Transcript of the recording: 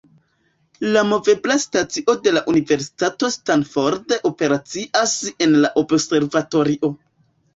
La movebla stacio de la Universitato Stanford operacias en la observatorio.